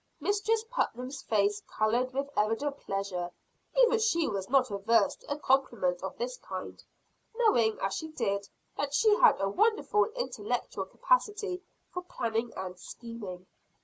Mistress Putnam's face colored with evident pleasure even she was not averse to a compliment of this kind; knowing, as she did, that she had a wonderful intellectual capacity for planning and scheming.